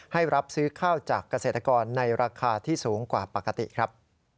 รับซื้อข้าวจากเกษตรกรในราคาที่สูงกว่าปกติครับ